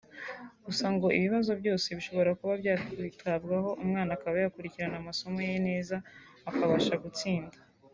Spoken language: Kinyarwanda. Gusa ngo ibi bibazo byose bishobora kwitabwaho umwana akaba yakurikira amasomo ye neza akabasha gutsinda